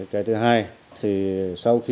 cái thứ hai thì sau khi